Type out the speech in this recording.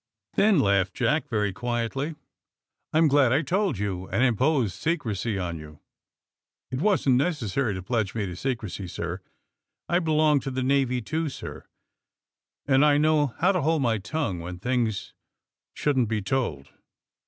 ''Then," laughed Jack very quietly, "I am glad I told you and imposed secrecy on you." "It wasn't necessary to pledge me to secrecy, sir. I belong to the Navy, too, sir, and I know how to hold my tongue when things shouldn't be told."